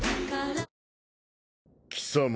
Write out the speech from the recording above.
貴様